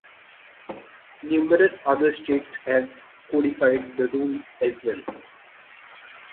Numerous other states have codified the rule as well.